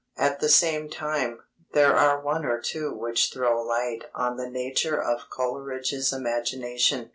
At the same time, there are one or two which throw light on the nature of Coleridge's imagination.